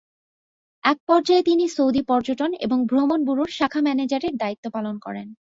একপর্যায়ে তিনি সৌদি পর্যটন এবং ভ্রমণ ব্যুরোর শাখা ম্যানেজারের দায়িত্ব পালন করেন।